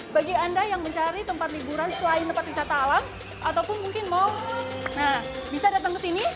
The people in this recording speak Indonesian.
bagi anda yang mencari tempat liburan selain tempat wisata alam ataupun mungkin mal bisa datang ke sini